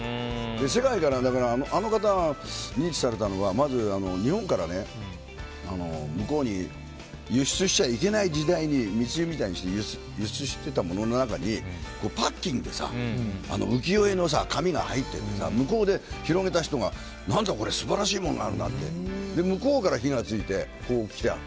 世界からあの方が認知されたのはまず、日本から向こうに輸出しちゃいけない時代に密輸みたいにして輸出してたものの中にパッキンで浮世絵の絵が入ってて向こうで広げた人が何だこれ素晴らしいのがあるって向こうから火がついて。